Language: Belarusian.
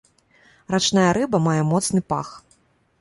Рачная рыба мае моцны пах.